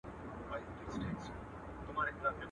o خره که ښکرونه درلوداى، د غويو نسونه بې څيرلي واى.